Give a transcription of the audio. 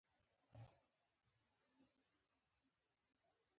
د داسې یوه ملي ترکیب ورکه موجوده ده.